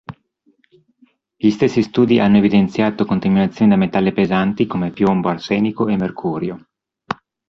Gli stessi studi hanno evidenziato contaminazione da metalli pesanti come piombo, arsenico e mercurio.